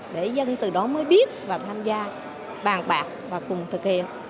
để dân từ đó mới biết và tham gia bàn bạc và cùng thực hiện